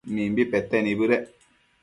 Mimbi pete nibëdec